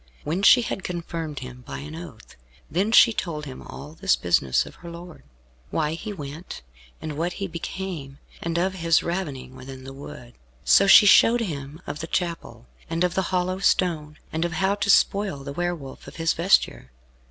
When she had confirmed him by an oath, then she told him all this business of her lord why he went, and what he became, and of his ravening within the wood. So she showed him of the chapel, and of the hollow stone, and of how to spoil the Were Wolf of his vesture.